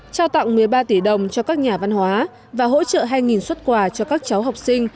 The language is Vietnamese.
trao tặng một mươi ba tỷ đồng cho các nhà văn hóa và hỗ trợ hai xuất quà cho các cháu học sinh